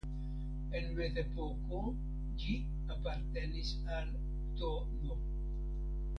En mezepoko ĝi apartenis al tn.